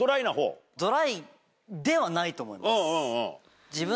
ドライな方？と思います。